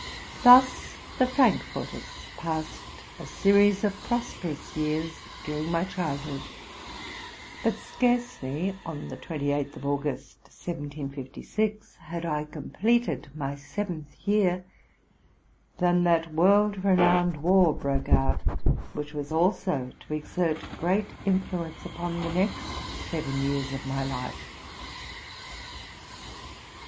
Thus the Frankforters passed a series of prosperous years during my childhood ; but scarcely, on the 28th of August, 1756, had I completed my seventh year, than that world renowned war broke out which was also to exert great influence upon the next seven years of my life.